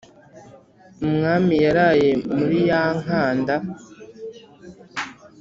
umwami yaraye murí yá nkánda